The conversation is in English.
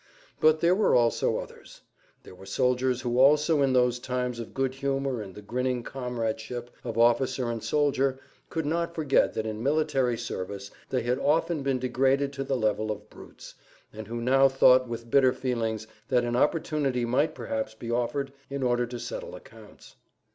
But there were also others. There were soldiers who also in those times of good humor and the grinning comradeship of officer and soldier could not forget that in military service they had often been degraded to the level of brutes, and who now thought with bitter feelings that an opportunity might perhaps be offered in order to settle accounts.